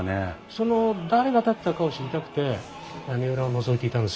その誰が建てたかを知りたくて屋根裏をのぞいていたんですよ。